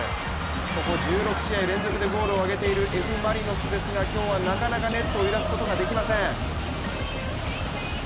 ここ１６試合連続でゴールを上げているＦ・マリノスですが今日はなかなかネットを揺らすことができません。